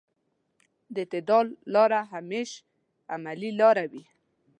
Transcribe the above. د اعتدال لاره همېش عملي لاره وي.